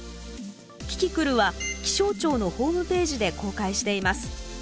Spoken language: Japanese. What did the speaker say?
キキクルは気象庁のホームページで公開しています。